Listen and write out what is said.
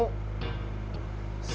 kita akan bawa dia ke kantor polisi